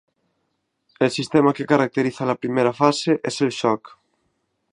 El sistema que caracteriza a la primera fase es el shock.